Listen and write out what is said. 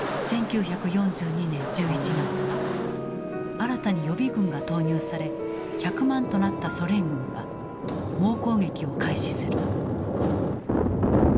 新たに予備軍が投入され１００万となったソ連軍が猛攻撃を開始する。